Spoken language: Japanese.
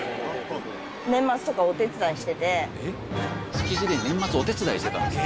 築地で年末お手伝いしてたんですか？